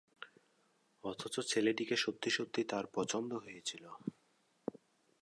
অথচ ছেলেটিকে সত্যি সত্যি তাঁর পছন্দ হয়েছিল।